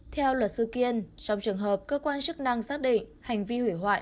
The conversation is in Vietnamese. theo luật sư kiên trong trường hợp cơ quan chức năng xác định hành vi hủy hoại